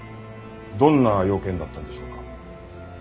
どんな用件だったんでしょうか？